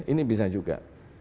ini bisa juga